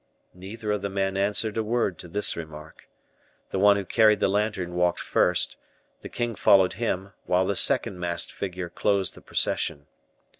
Neither of the men answered a word to this remark. The one who carried the lantern walked first, the king followed him, while the second masked figure closed the procession.